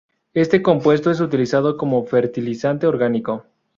Este compuesto es utilizado como fertilizante orgánico.